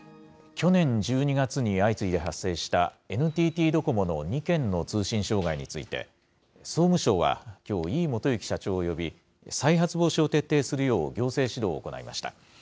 去年１２月に相次いで発生した、ＮＴＴドコモの２件の通信障害について、総務省はきょう、井伊基之社長を呼び、再発防止を徹底するよう行政指導を行いました。